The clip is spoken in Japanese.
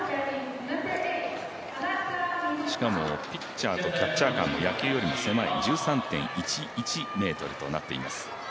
しかも、ピッチャーとキャッチャー間が野球よりも狭い１３．１１ｍとなっています。